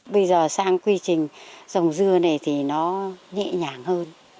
bây giờ sang quy trình dòng dưa này thì nó nhẹ nhàng hơn